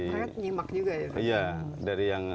sangat nyemak juga ya iya dari yang